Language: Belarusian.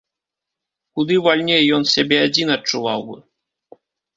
Куды вальней ён сябе адзін адчуваў бы.